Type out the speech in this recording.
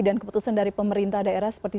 dan keputusan dari pemerintah daerah seperti